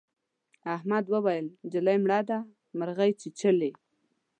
احمد وويل: نجلۍ مړه ده مرغۍ چیچلې.